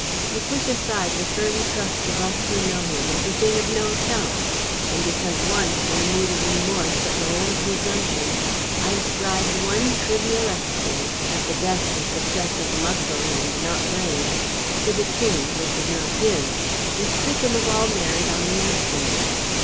You push aside the firm trust of us who know him as a thing of no account. And because once, in a mood of remorse at my own presumption, I ascribed one trivial exploit at the best a success of muscle and not brain to the King which was not his, you strip him of all merit on the instant."